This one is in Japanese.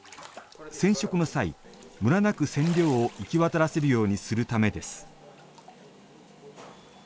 染色の際、むらなく染料を行き渡らせるようにするためです。